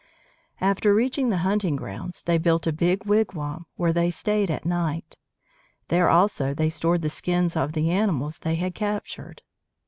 After reaching the hunting grounds, they built a big wigwam where they stayed at night. There also they stored the skins of the animals they had captured.